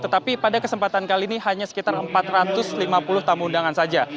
tetapi pada kesempatan kali ini hanya sekitar empat ratus lima puluh tamu undangan saja